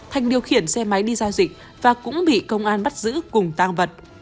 thành điều khiển xe máy đi giao dịch và cũng bị công an bắt giữ cùng tăng vật